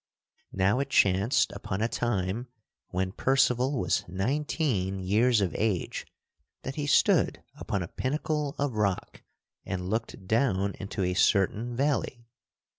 Now it chanced upon a time when Percival was nineteen years of age that he stood upon a pinnacle of rock and looked down into a certain valley.